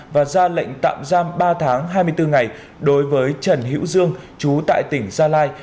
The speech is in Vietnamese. và ra lệnh tạm giam ba tháng hai mươi bốn ngày đối với trần hữu dương chú tại tỉnh gia lai